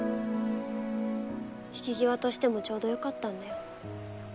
引き際としてもちょうどよかったんだよ